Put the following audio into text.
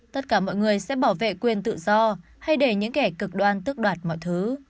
tất cả mọi người sẽ bảo vệ quyền tự do hay để những kẻ cực đoan tức đoạt mọi thứ